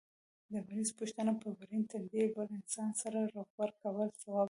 د مریض پوښتنه په ورين تندي بل انسان سره روغبړ کول ثواب لري